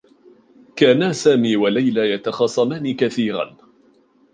كانا سامي و ليلى يتخاصمان كثيرا.